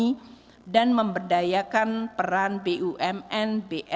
mendukung transformasi ekonomi mendukung pemerintahan dan mendukung kembang kembang